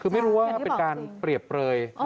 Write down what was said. คือไม่รู้ว่าเป็นการเปรียบเปรยธนายเดชา